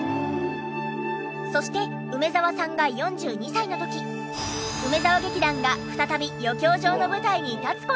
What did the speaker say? そして梅沢さんが４２歳の時梅沢劇団が再び余興場の舞台に立つ事となります。